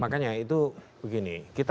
makanya itu begini